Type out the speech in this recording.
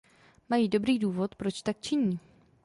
Mají dobrý důvod, proč tak činí.